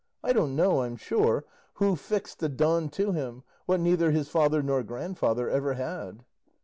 I don't know, I'm sure, who fixed the 'Don' to him, what neither his father nor grandfather ever had."